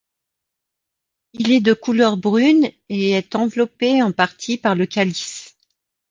Il est de couleur brune et est enveloppé en partie par le calice.